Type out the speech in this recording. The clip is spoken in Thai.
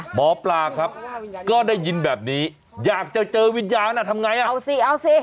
หมอปลาครับก็ได้ยินแบบนี้อยากจะเจอวิญญาณทำไงอ่ะเอาสิเอาสิ